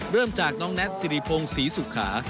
เริ่มจากน้องแน็ตสิริพงศรีสุขา